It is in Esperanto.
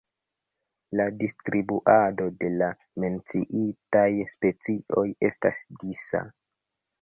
La distribuado de la menciitaj specioj estas disa.